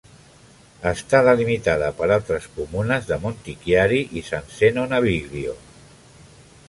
Està delimitada per altres comunes de Montichiari i San Zeno Naviglio.